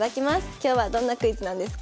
今日はどんなクイズなんですか？